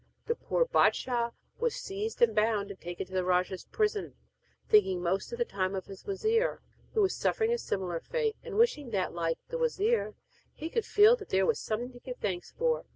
Then the poor bâdshah was seized and bound and taken to the rajah's prison, thinking most of the time of his wazir, who was suffering a similar fate, and wishing that, like the wazir, he could feel that there was something to give thanks for.